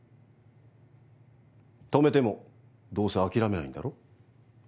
止めてもどうせ諦めないんだろ？